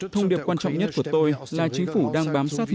thông điệp quan trọng nhất của tôi là chính phủ đang bám sát mục tiêu của mình